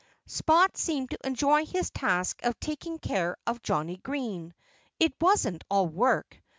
Spot seemed to enjoy his task of taking care of Johnnie Green. It wasn't all work.